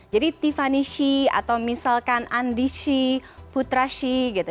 jadi tiffany she atau misalkan andi she putra she gitu